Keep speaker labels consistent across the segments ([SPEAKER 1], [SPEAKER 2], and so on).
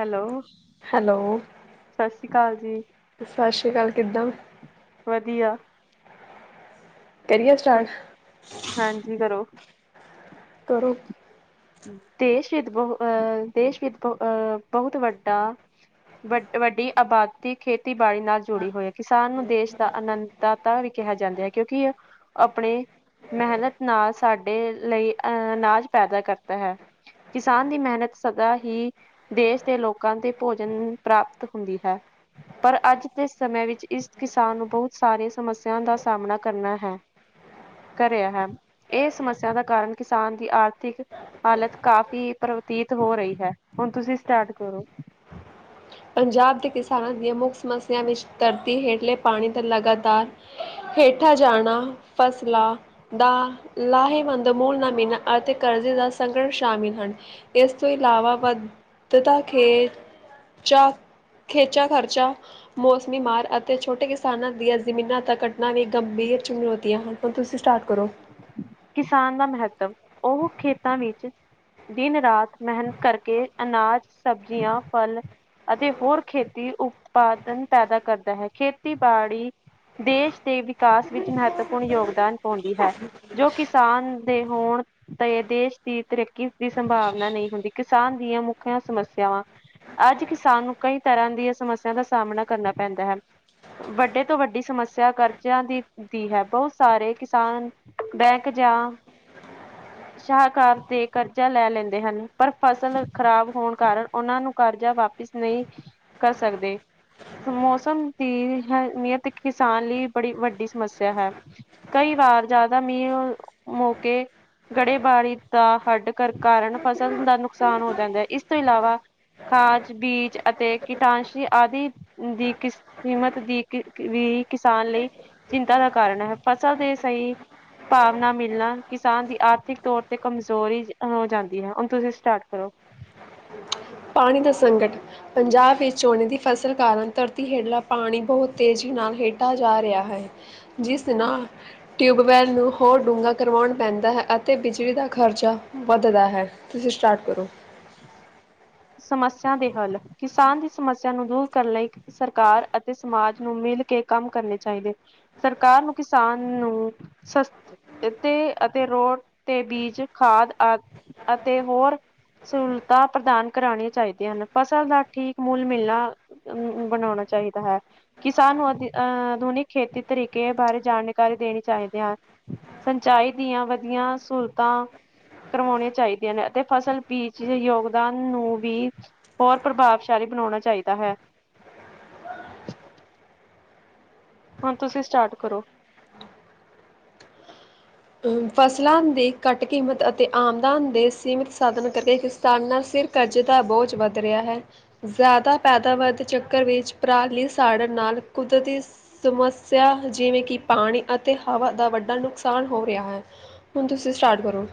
[SPEAKER 1] Hello,
[SPEAKER 2] hello,
[SPEAKER 1] ਸਸ੍ਰੀ ਕਾਲ ਜੀ।
[SPEAKER 2] ਸਾਸੀ ਕਾਲ, ਕਿੱਦਾਂ?
[SPEAKER 1] ਵਦੀਆ।
[SPEAKER 2] ਕਰੀਏ ਸਟਾਰਟ?
[SPEAKER 1] ਤੁਸੀਂ ਹਾਂਜੀ, ਕਰੋ।
[SPEAKER 2] ਕਰੋ।
[SPEAKER 1] ਦੇਸ਼ ਵਿੱਚ ਬਹੁ ਅ ਦੇਸ਼ ਵਿੱਚ ਬਹੁ ਅਹ ਬਹੁਤ ਵੱਡਾ ਵੱ ਵੱਡੀ ਆਬਾਦੀ ਖੇਤੀਬਾੜੀ ਨਾਲ ਜੁੜੀ ਹੋਈ ਹੈ, ਕਿਸਾਨ ਨੂੰ ਦੇਸ਼ ਦਾ ਆਨੰਦ। ਦਾਤਾ ਵੀ ਕਿਹਾ ਜਾਂਦਾ ਹੈ, ਕਿਉਂਕਿ ਆਪਣੇ ਮਿਹਨਤ ਨਾਲ ਸਾਡੇ ਲਈ ਅਹ ਅਨਾਜ ਪੈਦਾ ਕਰਦਾ ਹੈ ਕਿਸਾਨ ਦੀ ਮਿਹਨਤ ਸਦਾ ਹੀ ਦੇਸ ਦੇ ਲੋਕਾਂ ਤੇ ਭੋਜਨ ਪ੍ਰਾਪਤ ਹੁੰਦੀ ਹੈ। ਪਰ ਅੱਜ ਦੇ ਸਮੇ ਵਿੱਚ ਇਸ ਕਿਸਾਨ ਨੂੰ ਬਹੁਤ ਸਾਰੀਆਂ ਸਮੱਸਿਆ ਦਾ ਸਾਹਮਣਾ ਕਰਨਾ ਹੈ ਕਰਿਆ ਹਨ। ਇਹ ਸਮੱਸਿਆ ਦਾ ਕਾਰਨਾਂ ਕਿਸਾਨ ਦੀ ਆਰਥਿਕ, ਹਾਲਤ ਕਾਫ਼ੀ ਪ੍ਰਵਤੀਤ ਹੋ ਰਹੀ ਹੈ, ਹੁਣ ਤੁਸੀਂ ਸਟਾਰਟ ਕਰੋ
[SPEAKER 2] ਪੰਜਾਬ ਦੇ ਕਿਸਾਨਾਂ ਦੀਆਂ ਮੁੱਖ ਸਮੱਸਿਆ ਵਿੱਚ ਦਰਦ, ਹੇਠਲੇ ਪਾਣੀ ਦਾ ਲਗਾਤਾਰ, ਹੇਠਾਂ ਜਾਣਾ ਫਸਲਾਂ ਦਾ ਲਾਹੇਵੰਦ ਮੂਲ ਨਮੀਨਾ ਅਤੇ ਕਰਜ਼ੇ ਦਾ ਸੰਗਨ ਸ਼ਾਮਿਲ ਹਨ। ਇਸ ਤੋਂ ਇਲਾਵਾ ਵੱਧਤਾ ਖੇਤ ਚਾ ਖੇਂਚਾ ਖਰਚਾ ਮੌਸਮੀ ਮਾਰ ਅਤੇ ਛੋਟੇ ਕਿਸਾਨਾਂ ਦੀਆਂ ਜ਼ਮੀਨਾਂ ਤਾਂ ਘਟਨਾ ਵੀ ਗੰਭੀਰ ਚੁਮਲੌਤੀਆਂ ਹਨ ਹੁਣ ਤੁਸੀਂ ਸਟਾਰਟ ਕਰੋ।
[SPEAKER 1] ਕਿਸਾਨ ਦਾ ਮਹੱਤਵ, ਉਹ ਖੇਤਾਂ ਵਿੱਚ ਦਿਨ ਰਾਤ ਮਿਹਨਤ ਕਰਕੇ ਅਨਾਜ, ਸਬਜ਼ੀਆਂ, ਫਲ ਅਤੇ ਹੋਰ ਖੇਤੀ ਉਤਪਾਦਨ ਪੈਦਾ ਕਰਦਾ ਹੈ, ਖੇਤੀਬਾੜੀ ਦੇਸ਼ ਦੇ ਵਿਕਾਸ ਵਿੱਚ ਮਹੱਤਵਪੂਰਨ ਯੋਗਦਾਨ ਪਾਉਂਦੀ ਹੈ। ਜੋ ਕਿਸਾਨ ਦੇ ਹੋਣ, ਤੇ ਦੇਸ਼ ਦੀ ਤਰੱਕੀ ਦੀ ਸੰਭਾਵਨਾ ਨਹੀਂ ਹੁੰਦੀ ਕਿਸਾਨ ਦੀਆਂ ਮੁੱਖੀਆਂ ਸਮੱਸਿਆਵਾਂ ਅੱਜ ਕਿਸਾਨ ਨੂੰ ਕਈ ਤਰ੍ਹਾਂ ਦੀਆਂ ਸਮੱਸਿਆ ਦਾ ਸਾਹਮਣਾ ਕਰਨਾ ਪੈਂਦਾ ਹੈ। ਵੱਡੇ ਤੋਂ ਵੱਡੀ ਸਮੱਸਿਆ ਕਰਜ਼ਿਆਂ ਦੀ ਹੁੰਦੀ ਹੈ, ਬਹੁਤ ਸਾਰੇ ਕਿਸਾਨ। ਬੈਂਕ ਜਾ ਸ਼ਾਹਕਾਰ ਦੇ ਕਰਜ਼ਾ ਲੈ ਲੈਂਦੇ ਹਨ, ਪਰ ਫਸਲ ਖ਼ਰਾਬ ਹੋਣ ਕਾਰਨ ਉਹਨਾਂ ਨੂੰ ਕਰਜ਼ਾ ਵਾਪਿਸ ਨਹੀਂ ਕਰ ਸਕਦੇ ਮੌਸਮ ਦੀ ਅ ਨਅਤ ਕਿਸਾਨ ਲਈ ਬੜੀ ਵੱਡੀ ਸਮੱਸਿਆ ਹੈ ਕਈ ਵਾਰ ਜ਼ਿਆਦਾ ਮੀਹ ਮੌਕੇ ਗੜੇਬਾਰੀ ਦਾ ਹੱਡ ਕਰ ਕਾਰਨ ਫਸਲ ਦਾ ਨੁਕਸਾਨ ਹੋ ਜਾਂਦਾ ਹੈ, ਇਸ ਤੋਂ ਇਲਾਵਾ। ਖਾਦ, ਬੀਜ ਅਤੇ ਕੀਟਾਂਸ਼ੀ ਆਦਿ ਦੀ ਕਿਸ ਕੀਮਤ ਦੀ ਵੀ ਕਿਸਾਨ ਲਈ ਚਿੰਤਾ ਦਾ ਕਾਰਨ ਹੈ, ਫਸਲ ਦੇ ਸਹੀ ਭਾਵਨਾ ਮਿਲਣਾ, ਕਿਸਾਨ ਦੀ ਆਰਥਿਕ ਤੌਰ ਤੇ ਕਮਜ਼ੋਰੀ ਹੋ ਜਾਂਦੀ ਹੈ, ਹੁਣ ਤੁਸੀਂ ਸਟਾਰਟ ਕਰੋ
[SPEAKER 2] ਪਾਣੀ ਦਾ ਸੰਕਟ ਪੰਜਾਬ ਵਿੱਚ ਝੋਨੇ ਦੀ ਫ਼ਸਲ ਕਾਰਨ ਧਰਤੀ ਹੇਠਲਾ ਪਾਣੀ ਬਹੁਤ ਤੇਜ਼ੀ ਨਾਲ ਹੇਠਾਂ ਜਾ ਰਿਹਾ ਹੈ। ਜਿਸ ਤਰਾਂ ਟਿਊਬਵੈੱਲ ਨੂੰ ਹੋਰ ਡੂੰਘਾ ਕਰਵਾਉਣ ਪੈਂਦਾ ਹੈ ਅਤੇ ਬਿਜਲੀ ਦਾ ਖਰਚਾ। ਵੱਧਦਾ ਹੈ, ਤੁਸੀਂ ਸਟਾਰਟ ਕਰੋ
[SPEAKER 1] ਸਮੱਸਿਆ ਦੇ ਹੱਲ, ਕਿਸਾਨ ਦੀ ਸਮੱਸਿਆ ਨੂੰ ਦੂਰ ਕਰਨ ਲਈ। ਸਰਕਾਰ ਅਤੇ ਸਮਾਜ ਨੂੰ ਮਿਲ ਕੇ ਕੰਮ ਕਰਨੇ ਚਾਹੀਦੇ ਸਰਕਾਰ ਨੂੰ ਕਿਸਾਨ ਨੂੰ ਸਸ ਤੇ ਅਤੇ ਰੋਟ ਤੇ ਬੀਜ ਖਾਦ ਆ ਅਤੇ ਹੋਰ ਸਹੂਲਤਾਂ ਪ੍ਰਦਾਨ ਕਰਾਉਣੀਆਂ ਚਾਹੀਦੀਆਂ ਹਨ, ਫਸਲ ਦਾ ਠੀਕ ਮੁੱਲ ਮਿਲਣਾ ਅਮ ਬਣਾਉਣਾ ਚਾਹੀਦਾ ਹੈ। ਕਿਸਾਨ ਨੂੰ ਅ ਅਹ ਆਧੁਨਿਕ ਖੇਤੀ ਤਰੀਕੇ ਬਾਰੇ ਜਾਣਕਾਰੀ ਦੇਣੀ ਚਾਹੀਦੀ ਹੈ। ਸਿੰਚਾਈ ਦੀਆਂ ਵਧੀਆ ਸਹੂਲਤਾਂ ਕਰਵਾਉਣੀਆਂ ਚਾਹੀਦੀਆਂ ਨੇ ਅਤੇ ਫਸਲ ਬੀਜ ਦੇ ਯੋਗਦਾਨ ਨੂੰ ਵੀ ਹੋਰ ਪ੍ਰਭਾਵਸ਼ਾਲੀ ਬਣਾਉਣਾ ਚਾਹੀਦਾ ਹੈ। ਹੁਣ ਤੁਸੀਂ ਸਟਾਰਟ ਕਰੋ।
[SPEAKER 2] ਫਸਲਾਂ ਦੀ ਘੱਟ ਕੀਮਤ ਅਤੇ ਆਮਦਨ ਦੇ ਸੀਮਿਤ ਸਾਧਨ ਕਰੇ ਧੰਨ ਨਾਲ ਸਿਰ ਕਰਜ਼ ਦਾ ਬੋਝ ਵੱਧ ਰਿਹਾ ਹੈ ਜ਼ਿਆਦਾ ਪੈਦਾਵਾਰ ਦੇ ਚੱਕਰ ਵਿੱਚ ਪਰਾਲੀ ਸਾੜਨ ਨਾਲ ਕੁਦਰਤੀ ਸਮੱਸਿਆ ਜਿਵੇਂ ਕਿ ਪਾਣੀ ਅਤੇ ਹਵਾ ਦਾ ਵੱਡਾ ਨੁਕਸਾਨ, ਹੋ ਰਿਹਾ ਹੈ, ਹੁਣ ਤੁਸੀਂ ਸਟਾਰਟ ਕਰੋ।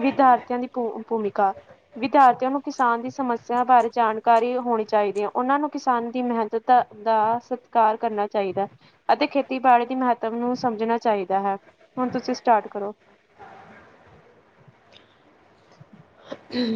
[SPEAKER 1] ਵਿਦਿਆਰਥੀਆਂ ਦੀ ਭੂ ਭੂਮਿਕਾ। ਵਿਦਿਆਰਥੀਆਂ ਨੂੰ ਕਿਸਾਨ ਦੀ ਸਮੱਸਿਆ ਬਾਰੇ ਜਾਣਕਾਰੀ ਹੋਣੀ ਚਾਹੀਦੀ ਹੈ। ਉਹਨਾਂ ਨੂੰ ਕਿਸਾਨ ਦੀ ਮਿਹਨਤ- ਦ ਦਾ ਸਤਿਕਾਰ ਕਰਨਾ ਚਾਹੀਦਾ। ਅਤੇ ਖੇਤੀਬਾੜੀ ਦੇ ਮਹੱਤਵ ਨੂੰ ਸਮਝਣਾ ਚਾਹੀਦਾ ਹੈ, ਹੁਣ ਤੁਸੀਂ ਸਟਾਰਟ ਕਰੋ।
[SPEAKER 2] ਹਮ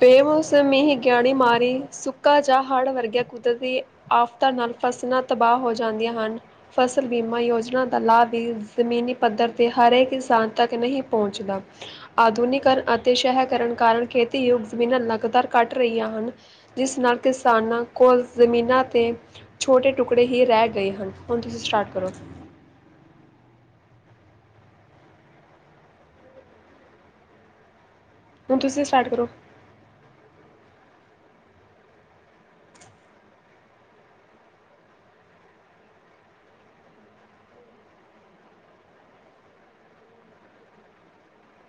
[SPEAKER 2] ਬੇਮੋਸਮੀੀ ਗਿਆੜੀ ਮਾਰੀ ਸੁੱਕਾ ਜਾ ਹੜ੍ਹ ਵਰਗਿਆ ਕੁਦਰਤੀ ਆਫ਼ਤਾਂ ਨਾਲ ਫਸਲਾਂ ਤਬਾਹ ਹੋ ਜਾਂਦੀਆਂ ਹਨ। ਫਸਲ ਬੀਮਾ ਯੋਜਨਾ ਦਾ ਲਾਭ ਵੀ ਜ਼ਮੀਨੀ ਪੱਧਰ ਤੇ ਹਰੇਕ ਇਨਸਾਨ ਤੱਕ ਨਹੀਂ ਪਹੁੰਚਦਾ। ਆਧੁਨਕਰਨ ਅਤੇ ਸਹਿਕਰ ਕਾਰਨ ਖੇਤੀਯੁਗ ਜ਼ਮੀਨਾਂ ਲਗਾਤਾਰ ਘੱਟ ਰਹੀਆਂ ਹਨ। ਜਿਸ ਨਾਲ ਕਿਸਾਨਾਂ ਕੋਲ ਜ਼ਮੀਨਾਂ 'ਤੇ ਛੋਟੇ ਟੁਕੜੇ ਹੀ ਰਹਿ ਗਏ ਹਨ। ਹੁਣ ਤੁਸੀਂ ਸਟਾਰਟ ਕਰੋ ਹੁਣ ਤੁਸੀਂ ਸਟਾਰਟ ਕਰੋ